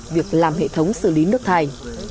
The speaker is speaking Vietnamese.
việc làm hệ thống xử lý nước thải